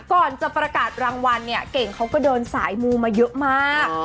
ก่อนจะประกาศรางวัลเนี่ยเก่งเขาก็เดินสายมูมาเยอะมาก